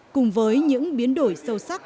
cùng với những biến đổi sâu sắc